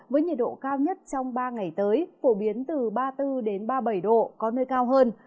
với nhiệt độ cao nhất trong ba ngày tới phổ biến từ ba mươi bốn ba mươi bảy độ có nơi cao hơn